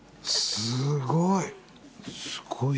すごい！